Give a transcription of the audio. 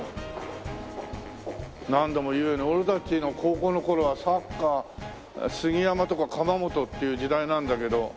何度も言うように俺たちの高校の頃はサッカー杉山とか釜本っていう時代なんだけど。